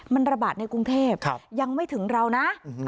มันระบาดในกรุงเทพยังไม่ถึงเรานะ